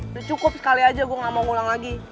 udah cukup sekali aja gua ga mau ngulang lagi